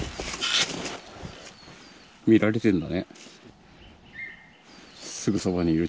見られてるんだね。